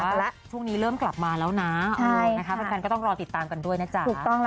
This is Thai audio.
แต่ว่าช่วงนี้เริ่มกลับมาแล้วนะแฟนก็ต้องรอติดตามกันด้วยนะจ๊ะ